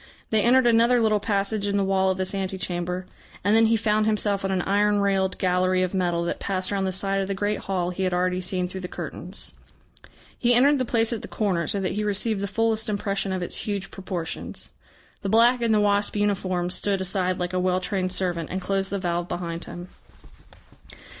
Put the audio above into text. They entered another little passage in the wall of this ante chamber, and then he found himself on an iron railed gallery of metal that passed round the side of the great hall he had already seen through the curtains. He entered the place at the corner, so that he received the fullest impression of its huge proportions. The black in the wasp uniform stood aside like a well trained servant, and closed the valve behind him.